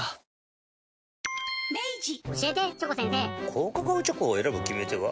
高カカオチョコを選ぶ決め手は？